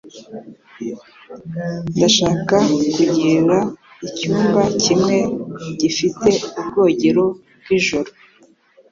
Ndashaka kugira icyumba kimwe gifite ubwogero bwijoro.